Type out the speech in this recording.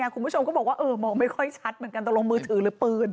คุณผู้ชมก็บอกว่ามองไม่ค่อยชัดเหมือนกันตกลงมือถือหรือปืน